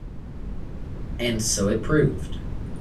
And so it proved.